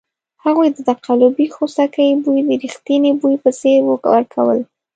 هغوی د تقلبي خوسکي بوی د ریښتني بوی په څېر ورکول.